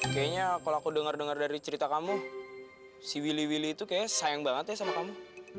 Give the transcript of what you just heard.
kayaknya kalau aku dengar dengar dari cerita kamu si willy willy itu kayaknya sayang banget ya sama kamu